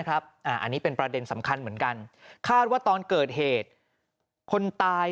อันนี้เป็นประเด็นสำคัญเหมือนกันคาดว่าตอนเกิดเหตุคนตาย